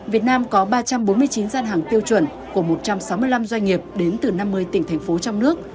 việt nam có ba trăm bốn mươi chín gian hàng tiêu chuẩn của một trăm sáu mươi năm doanh nghiệp đến từ năm mươi tỉnh thành phố trong nước